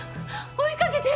追いかけて！